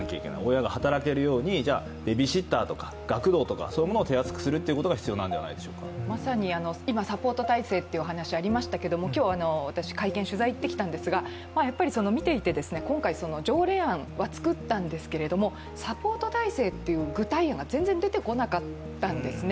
親が働けるようにベビーシッターとか学童を手厚くすることも必要なんじゃないでしょうかまさに今サポート体制という話がありますが、今日、会見に取材に行ってきたんですが、やっぱり見ていて、今回、条例案は作ったんですけど、サポート体制という具体案が全然出てこなかったんですね。